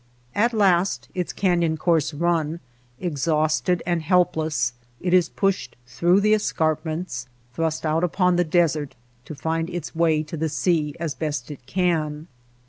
At last, its canyon course run, ex hausted and helpless, it is pushed through the escarpments, thrust out upon the desert, to find its way to the sea as best it can.